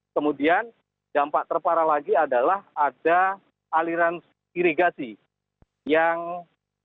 kemudian dampak terparah lagi adalah ada aliran irigasi yang